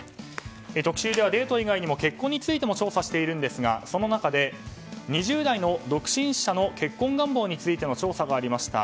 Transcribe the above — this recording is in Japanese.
特集ではデート以外にも結婚についても調査していますが、その中で２０代の独身者の結婚願望についての調査がありました。